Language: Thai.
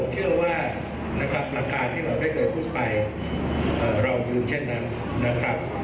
ผมเชื่อว่าระการที่เราได้เคยพูดไปเรายืนเช่นนั้นนะครับ